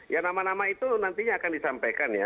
ya nama nama itu nantinya akan disampaikan ya